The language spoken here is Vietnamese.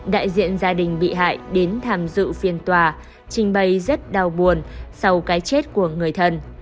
đại diện gia đình bị hại đến tham dự phiên tòa trình bày rất đau buồn sau cái chết của người thân